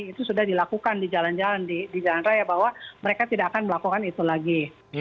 itu sudah dilakukan di jalan jalan di jalan raya bahwa mereka tidak akan melakukan itu lagi